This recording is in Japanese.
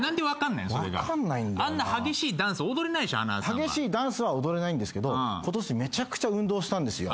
激しいダンスは踊れないんですけど今年めちゃくちゃ運動したんですよ。